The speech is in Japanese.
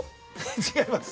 違います。